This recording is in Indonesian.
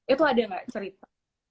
itu ada nggak cerita